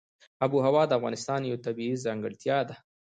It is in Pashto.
آب وهوا د افغانستان یوه طبیعي ځانګړتیا ده.